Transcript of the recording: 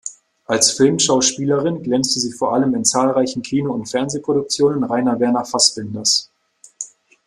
Als Filmschauspielerin glänzte sie vor allem in zahlreichen Kino- und Fernsehproduktionen Rainer Werner Fassbinders.